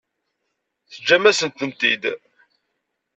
Teǧǧamt-asent-tent-id?